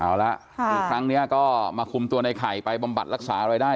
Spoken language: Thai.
เอาละอีกครั้งนี้ก็มาคุมตัวในไข่ไปบำบัดรักษาอะไรได้